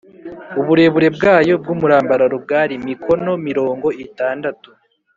uburebure bwayo bw’umurambararo bwari mikono mirongo itandatu